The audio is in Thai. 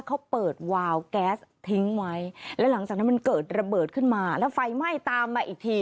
เขาเปิดวาวแก๊สทิ้งไว้แล้วหลังจากนั้นมันเกิดระเบิดขึ้นมาแล้วไฟไหม้ตามมาอีกที